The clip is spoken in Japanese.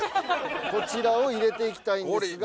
こちらを入れていきたいんですが。